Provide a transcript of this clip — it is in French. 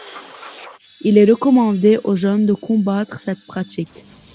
Il est recommandé aux jeunes de combattre cette pratique.